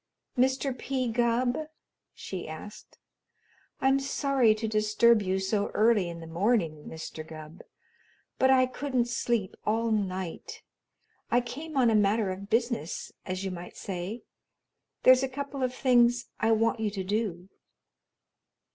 "Mr. P. Gubb?" she asked. "I'm sorry to disturb you so early in the morning, Mr. Gubb, but I couldn't sleep all night. I came on a matter of business, as you might say. There's a couple of things I want you to do."